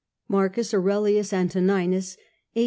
MARCUS AURELIUS ANTONINUS. A.